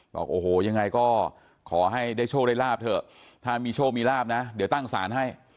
บอกโอ้โหยังไงก็ขอให้ได้โชคได้ลาบเถอะถ้ามีโชคมีลาบนะเดี๋ยวตั้งศาลให้